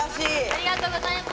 ありがとうございます。